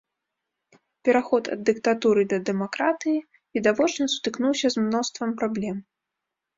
Пераход ад дыктатуры да дэмакратыі, відавочна, сутыкнуўся з мноствам праблем.